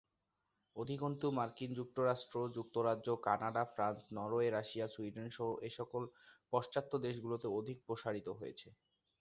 অধিকন্তু মার্কিন যুক্তরাষ্ট্র, যুক্তরাজ্য, Canada, France, Norway, Russia, Sweden সহ এসকল পাশ্চাত্য দেশগুলোতে অধিক প্রসারিত হয়েছে।